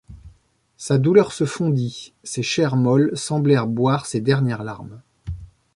Sa douleur se fondit ; ses chairs molles semblèrent boire ses dernières larmes.